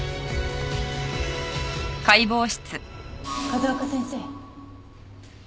風丘先生。